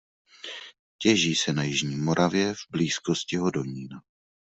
Těží se na jižní Moravě v blízkosti Hodonína.